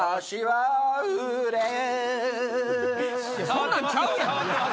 そんなんちゃうやん！